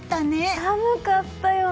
寒かったよね。